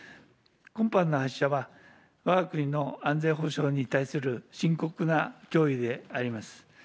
今般の発射は、わが国の安全保障に対する深刻な脅威であります。